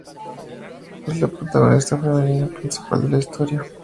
Es la protagonista femenina principal de la historia.